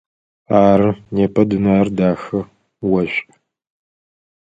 Ары, непэ дунаир дахэ, ошӏу.